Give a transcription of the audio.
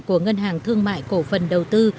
của ngân hàng thương mại cổ phần đầu tư